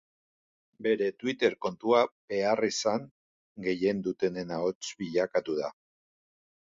Bere twitter kontua beharrizan gehien dutenen ahots bilakatu da.